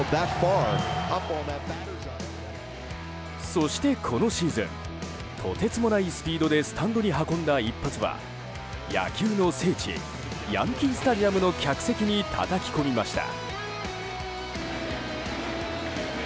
そして、このシーズンとてつもないスピードでスタンドに運んだ一発は野球の聖地ヤンキー・スタジアムの客席にたたき込みました。